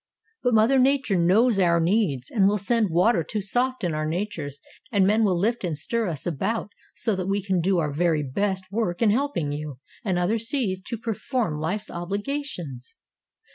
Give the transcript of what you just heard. But Mother Nature knows our needs and will send water to soften our natures and men will lift and stir us about so that we can do our very best work in helping you and other seeds to perform life's obligations."